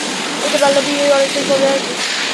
এতে বাল্যবিয়ে অনেকটাই কমে আসবে।